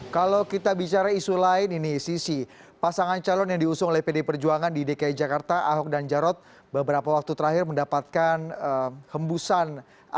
kalau kita bicara isu lain ini sisi pasangan calon yang diusung oleh pd perjuangan di dki jakarta ahok dan jarot beberapa waktu terakhir mendapatkan hembusan